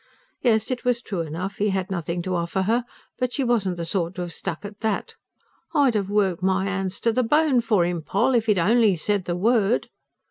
Yes, it was true enough, he had nothing to offer her; but she wasn't the sort to have stuck at that. "I'd have worked my hands to the bone for 'im, Poll, if 'e'd ONLY said the word."